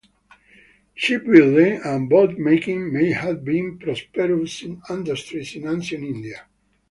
Shipbuilding and boatmaking may have been prosperous industries in ancient India.